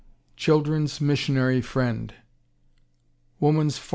Children's Missionary Friend Woman's For.